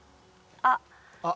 あっ。